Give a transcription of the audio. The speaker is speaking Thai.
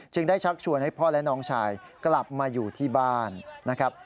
ได้ชักชวนให้พ่อและน้องชายกลับมาอยู่ที่บ้านนะครับ